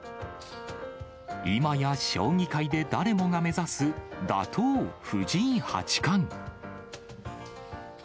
いまや将棋界で誰もが目指す、打倒、藤井八冠。